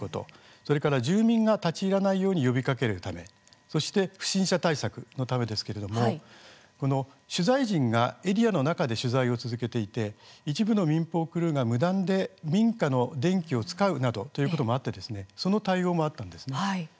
それから住民が立ち入らないように呼びかけるためそして不審者対策のためですが取材陣がエリアの中で取材を続けていて一部の民放クルーが無断で民家の電気を使うなどということもあってその対応もあったんです。